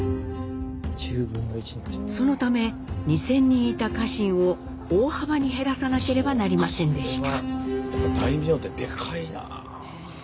そのため２，０００人いた家臣を大幅に減らさなければなりませんでした。